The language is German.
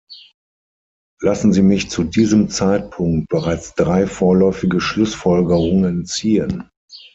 Lassen Sie mich zu diesem Zeitpunkt bereits drei vorläufige Schlussfolgerungen ziehen.